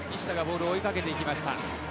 西田がボールを追いかけてきました。